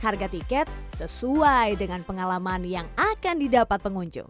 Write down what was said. harga tiket sesuai dengan pengalaman yang akan didapat pengunjung